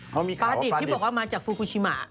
ปลาดิบที่บอกว่ามาจากฟูกูชิมะ